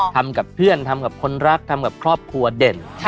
ทำกับเพื่อนทำกับคนรักทำกับครอบครัวเด่น